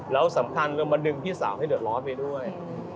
แล้วสำคัญเรามาดึงพี่สาวให้เดือดร้อนไปด้วย